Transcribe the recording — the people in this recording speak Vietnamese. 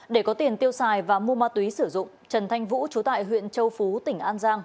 để có tiền tiêu xài và mua ma túy sử dụng trần thanh vũ chú tại huyện châu phú tỉnh an giang